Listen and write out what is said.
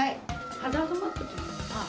ハザードマップというのは。